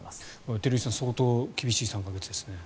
照井さん相当厳しい３か月ですね。